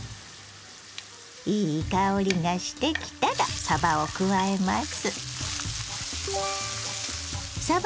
いい香りがしてきたらさばを加えます。